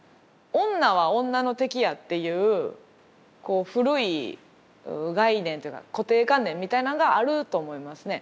女は女の敵やっていう古い概念というか固定観念みたいなんがあると思いますね。